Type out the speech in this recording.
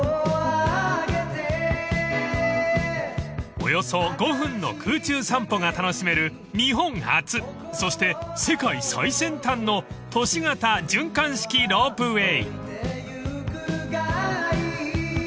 ［およそ５分の空中散歩が楽しめる日本初そして世界最先端の都市型循環式ロープウエー］